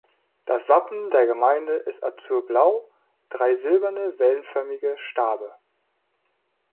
Das Wappen der Gemeinde ist azurblau, drei silberne wellenförmige Stabe.